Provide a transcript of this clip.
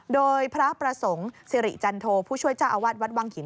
โดยพระประสงค์สิริจันโทผู้ช่วยเจ้าอาวาสวัดวังหิน